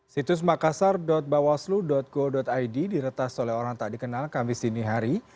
situs makassar bawaslu go id diretas oleh orang tak dikenal kamis dini hari